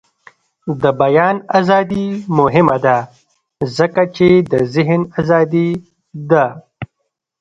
د بیان ازادي مهمه ده ځکه چې د ذهن ازادي ده.